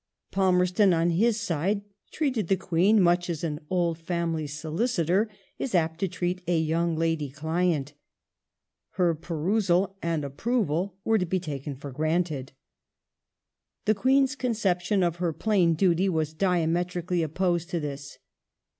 Palmerston, on his side, treated the Queen much as an old family solicitor is apt to treat a young lady client : her perusal and approval were to be taken for granted. The Queen's conception of her plain duty was diametrically opposed to this.